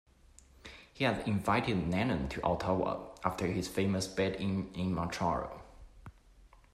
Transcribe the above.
He had invited Lennon to Ottawa after his famous "bed-in" in Montreal.